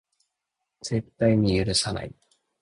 絶対に許さない